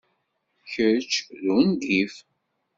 Kečč d ungif!